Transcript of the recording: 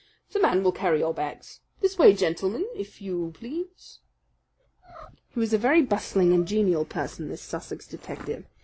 The man will carry your bags. This way, gentlemen, if you please." He was a very bustling and genial person, this Sussex detective.